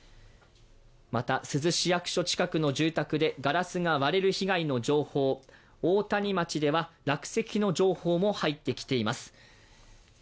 また珠洲市役所近くの住宅でガラスが割れる被害の状況、大谷町では落石の情報も入ってきています。